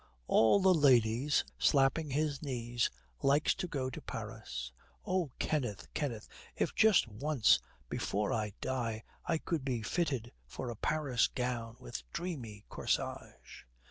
'All the ladies,' slapping his knees, 'likes to go to Paris.' 'Oh, Kenneth, Kenneth, if just once before I die I could be fitted for a Paris gown with dreamy corsage!'